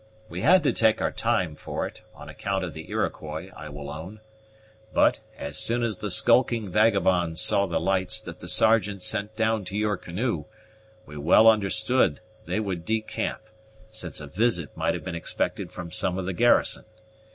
We had to take our time for it, on account of the Iroquois, I will own; but, as soon as the skulking vagabonds saw the lights that the Sergeant sent down to your canoe, we well understood they would decamp, since a visit might have been expected from some of the garrison.